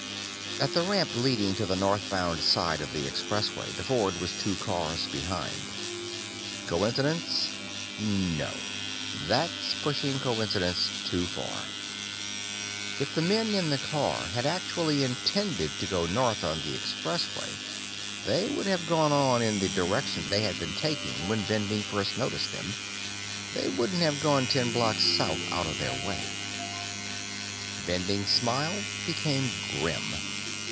At the ramp leading to the northbound side of the Expressway, the Ford was two cars behind. Coincidence? No. That's pushing coincidence too far. If the men in the car had actually intended to go north on the Expressway, they would have gone on in the direction they had been taking when Bending first noticed them; they wouldn't have gone ten blocks south out of their way. Bending's smile became grim.